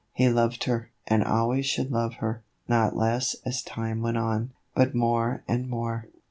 He loved her, and always should love her, not less as time went on, but more and more.